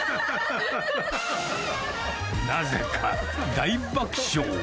なぜか大爆笑。